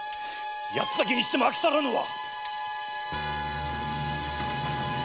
八つ裂きにしても飽き足らぬわ！